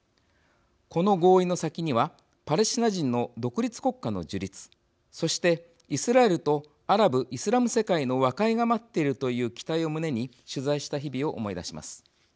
この合意の先にはパレスチナ人の独立国家の樹立そしてイスラエルとアラブ・イスラム世界の和解が待っているという期待を胸に取材した日々を思い出します。